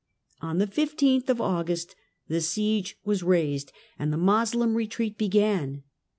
On the 15th of August the siege was raised and the Moslem retreat began.